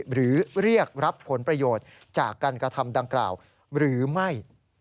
หรือเรียกรับผลประโยชน์จากการกระทำดังกล่าวหรือไม่